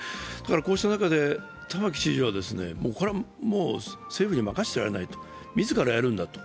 こうした中で玉城知事は、これはもう政府に任せてられないと、自らやるんだと。